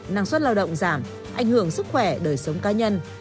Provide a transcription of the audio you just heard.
năng suất lao động giảm ảnh hưởng sức khỏe đời sống cá nhân